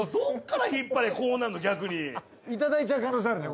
いただいちゃう可能性あるね